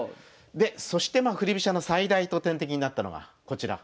そしてまあ振り飛車の最大の天敵になったのがこちら。